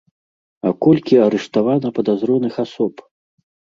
А колькі арыштавана падазроных асоб?!